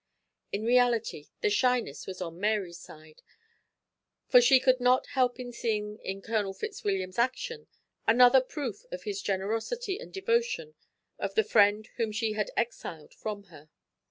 In reality the shyness was on Mary's side, for she could not help in seeing in Colonel Fitzwilliam's action another proof of the generosity and devotion of the friend whom she had exiled from her.